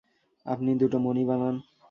আপনি দুটো মণি বানান।